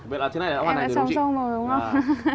vậy là thế này là đã hoàn thành rồi đúng không chị